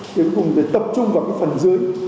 thì cuối cùng tập trung vào cái phần dưới